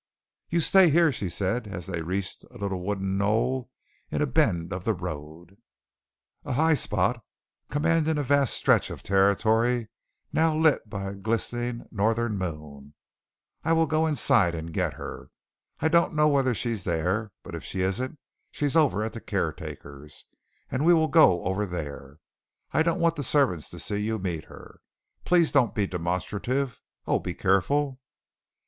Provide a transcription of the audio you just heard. "You stay here," she said, as they reached a little wooded knoll in a bend of the road a high spot commanding a vast stretch of territory now lit by a glistening northern moon. "I'll go right inside and get her. I don't know whether she's there, but if she isn't, she's over at the caretaker's, and we'll go over there. I don't want the servants to see you meet her. Please don't be demonstrative. Oh, be careful!"